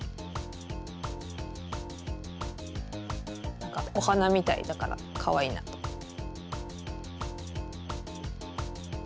なんかおはなみたいだからかわいいなって。